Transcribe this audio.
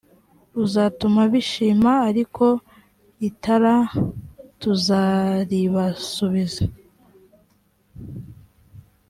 ruzatuma bishima ariko itara tuzaribasubiza